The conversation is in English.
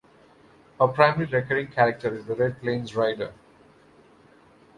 Her primary recurring character is the Red Plains Rider.